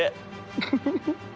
ウフフフ。